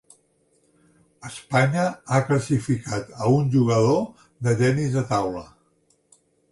Espanya ha classificat a un jugador de tenis de taula.